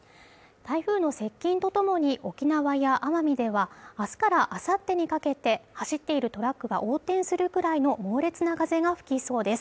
台風の接近とともに沖縄や奄美ではあすからあさってにかけて走っているトラックが横転するくらいの猛烈な風が吹きそうです